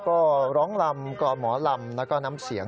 ก็ร้องลำกรอหมอลำแล้วก็น้ำเสียง